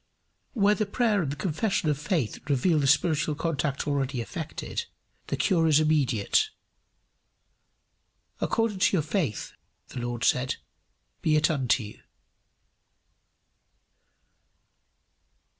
Where the prayer and the confession of faith reveal the spiritual contact already effected, the cure is immediate. "According to your faith," the Lord said, "be it unto you."